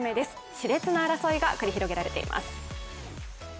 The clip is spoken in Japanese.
しれつな争いが繰り広げられています。